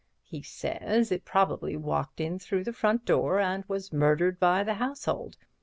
He says it probably walked in through the front door and was murdered by the household.